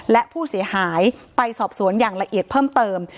และผู้เสียหายไปสอบสวนอย่างละเอียดเพิ่มเติม